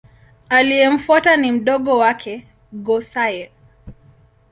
Aliyemfuata ni mdogo wake Go-Sai.